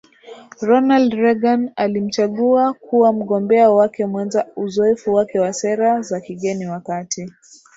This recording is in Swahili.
Ronald Reagan alimchagua kuwa mgombea wake mwenza Uzoefu wake wa sera za kigeni wakati